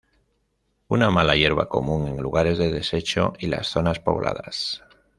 Una mala hierba común en lugares de desecho y las zonas pobladas.